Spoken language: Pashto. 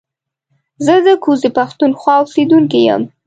زه د کوزې پښتونخوا اوسېدونکی يم